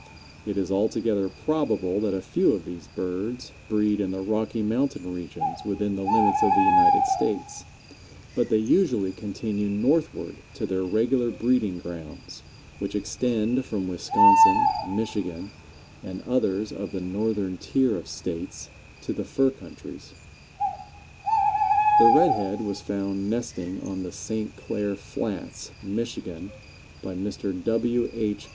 It is altogether probable that a few of these birds breed in the Rocky Mountain regions within the limits of the United States, but they usually continue northward to their regular breeding grounds, which extend from Wisconsin, Michigan, and others of the northern tier of states, to the fur countries. The Red head was found nesting on the St. Clair Flats, Michigan, by Mr. W. H.